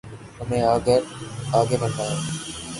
ہمیں اگر آگے بڑھنا ہے۔